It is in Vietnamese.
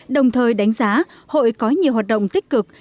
đồng thời đánh giá hội có nhiều hoạt động tích cực